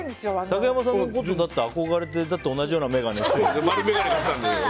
竹山さんのことに憧れて同じような眼鏡だもんね。